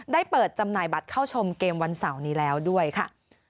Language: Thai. ได้เปิดจำหน่ายบัตรเข้าชมเกมวันเสาร์นี้แล้วด้วยค่ะ